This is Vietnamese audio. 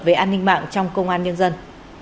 về an ninh mạng trong công an nhân dân